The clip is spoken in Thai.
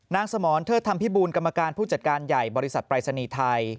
สมรเทิดธรรมพิบูลกรรมการผู้จัดการใหญ่บริษัทปรายศนีย์ไทย